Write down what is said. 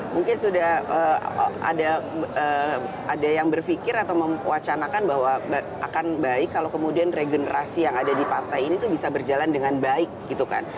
mungkin sudah ada yang berpikir atau mewacanakan bahwa akan baik kalau kemudian regenerasi yang ada di partai ini tuh bisa berjalan dengan baik gitu kan